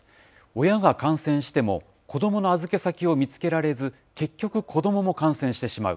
親が感染しても子どもの預け先を見つけられず、結局子どもも感染してしまう。